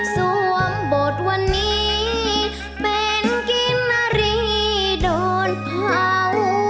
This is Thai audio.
สวมบทวันนี้เป็นกิมนารีโดนเผา